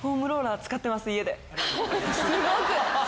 すごく。